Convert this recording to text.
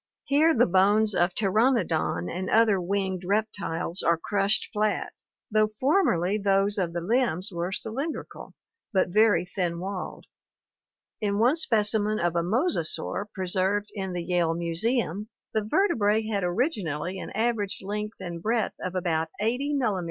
Here the bones of Pteranodon and other winged reptiles are crushed flat, though formerly those of the limbs were cylindrical, but very thin walled. In one spec imen of a mosasaur preserved in the Yale Museum the vertebrae had originally an average length and breadth of about 80 mm.